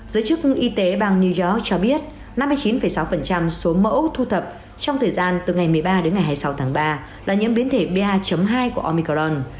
giới chức y tế bang new york cho biết năm mươi chín sáu số mẫu thu thập trong thời gian từ ngày một mươi ba đến ngày hai mươi sáu tháng ba là những biến thể ba hai của omicron